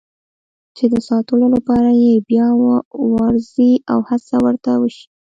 چې د ساتلو لپاره یې بیا وارزي او هڅه ورته وشي.